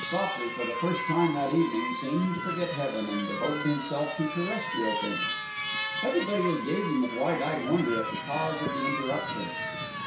Sopley for the first time that evening seemed to forget heaven, and devoted himself to terrestrial things. Everybody was gazing with wide eyed wonder at the cause of the interruption.